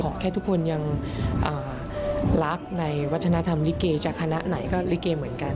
แค่ทุกคนยังรักในวัฒนธรรมลิเกจากคณะไหนก็ลิเกเหมือนกัน